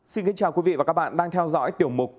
xin kính chào quý vị và các bạn đang theo dõi tiểu mục